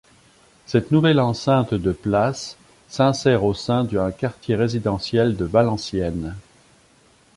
Cette nouvelle enceinte de places s'insère au sein d'un quartier résidentiel de Valenciennes.